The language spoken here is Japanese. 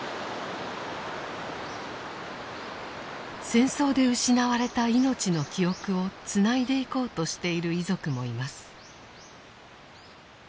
戦争で失われた命の記憶をつないでいこうとしている遺族もいます。